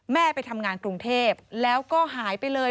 ไปทำงานกรุงเทพแล้วก็หายไปเลย